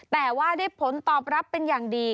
แต่ว่าได้ผลตอบรับเป็นอย่างดี